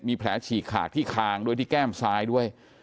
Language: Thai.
มีแผลฉีกขาดที่คางด้วยที่แก้มซ้ายด้วย